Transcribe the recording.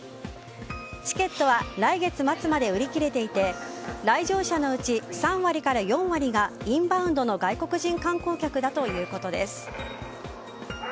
チケットは来月末まで売り切れていて来場者のうち３割から４割がインバウンドの外国人観光客だということです。